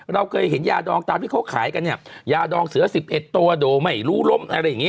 เราเคยเห็นยาดองตามที่เขาขายกันเนี่ยยาดองเสือ๑๑ตัวโดยไม่รู้ล้มอะไรอย่างนี้